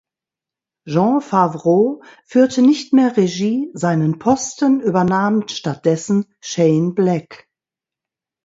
Jon Favreau führte nicht mehr Regie, seinen Posten übernahm stattdessen Shane Black.